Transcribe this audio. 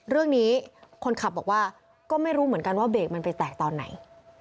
คนขับบอกว่าก็ไม่รู้เหมือนกันว่าเบรกมันไปแตกตอนไหน